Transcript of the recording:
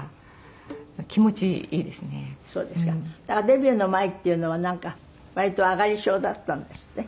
デビューの前っていうのはなんか割とあがり症だったんですって？